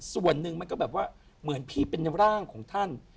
ส่วนหนึ่งมันก็แบบว่าเหมือนพี่เป็นร่างของท่าน